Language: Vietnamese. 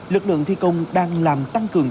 lực lượng thi công đang làm tăng cường